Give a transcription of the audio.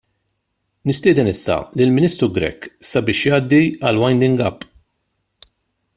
Nistieden issa lill-Ministru Grech sabiex jgħaddi għall-winding - up.